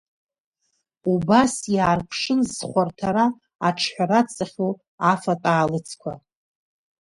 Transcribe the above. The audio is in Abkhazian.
Убас, иаарԥшын зхәарҭара аҿҳәара цахьоу афатә аалыҵқәа…